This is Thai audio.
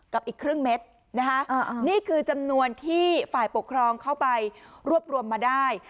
กับอีกครึ่งเม็ดนะคะนี่คือจำนวนที่ฝ่ายปกครองเข้าไปรวบรวมมาได้